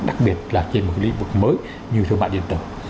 đặc biệt là trên một lĩnh vực mới như thương mại điện tử